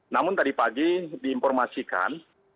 namun tadi pagi diinformasikan